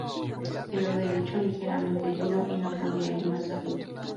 Quedó de hecho ligeramente herido y no podía ir más arriba.